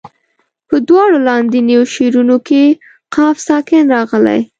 په دواړو لاندنیو شعرونو کې قاف ساکن راغلی.